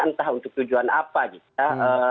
entah untuk tujuan apa gitu ya